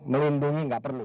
melindungi tidak perlu